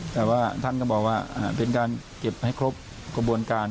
แต่ว่าท่านก็บอกว่าเป็นการเก็บให้ครบกระบวนการ